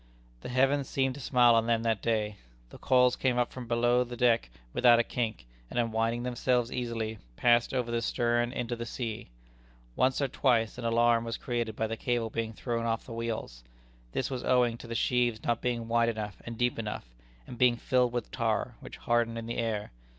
The heavens seemed to smile on them that day. The coils came up from below the deck without a kink, and unwinding themselves easily, passed over the stern into the sea. Once or twice an alarm was created by the cable being thrown off the wheels. This was owing to the sheaves not being wide enough and deep enough, and being filled with tar, which hardened in the air.